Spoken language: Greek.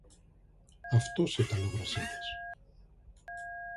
Αυτός ήταν ο Βρασίδας.